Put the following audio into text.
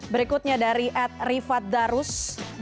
berikutnya dari ed rivadarus delapan puluh delapan